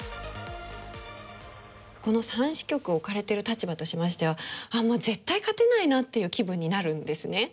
この三子局置かれてる立場としましてはもう絶対勝てないなっていう気分になるんですね。